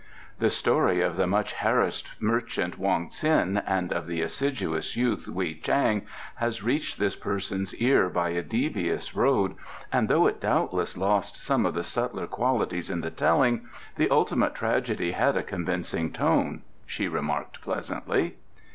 "The story of the much harassed merchant Wong Ts'in and of the assiduous youth Wei Chang has reached this person's ears by a devious road, and though it doubtless lost some of the subtler qualities in the telling, the ultimate tragedy had a convincing tone," she remarked pleasantly.